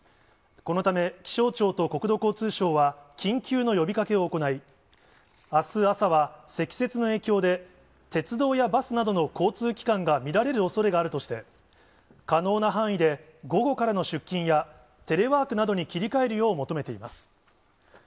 このため、気象庁と国土交通省は緊急の呼びかけを行い、あす朝は積雪の影響で鉄道やバスなどの交通機関が乱れるおそれがあるとして、可能な範囲で午後からの出勤やテレワークなどに切り替えるよう求めています。